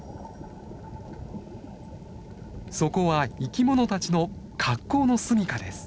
そこは生きものたちの格好の住みかです。